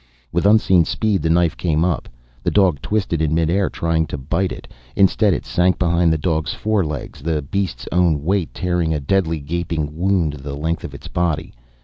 With unseen speed the knife came up, the dog twisted in midair, trying to bite it. Instead it sank in behind the dog's forelegs, the beast's own weight tearing a deadly gaping wound the length of its body.